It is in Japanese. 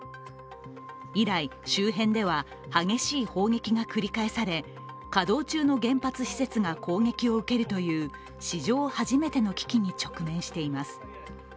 以来、周辺では激しい砲撃が繰り返され稼働中の原発施設が攻撃を受けるという史上初めての危機に直面しています。